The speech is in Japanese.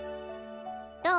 どう？